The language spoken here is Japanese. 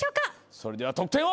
それでは得点を。